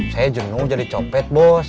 saya jenuh jadi copet bos